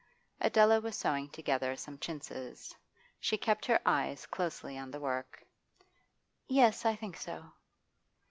Adela was sewing together some chintzes. She kept her eyes closely on the work. 'Yes, I think so.